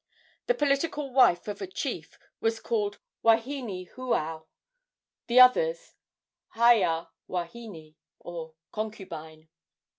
The political wife of a chief was called wahine hoao; the others, haia wahine, or concubine.